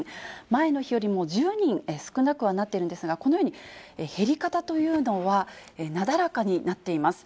前の日よりも１０人少なくはなっているんですが、このように、減り方というのはなだらかになっています。